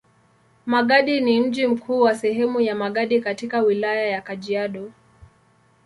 Magadi ni mji mkuu wa sehemu ya Magadi katika Wilaya ya Kajiado.